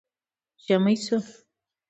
ژمی شو